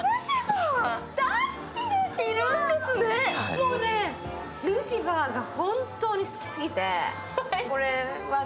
もうね、ルシファーが本当に好きすぎて。